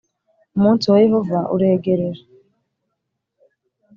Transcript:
Umunsi wa Yehova uregereje